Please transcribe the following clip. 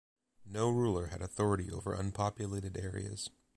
No ruler had authority over unpopulated areas.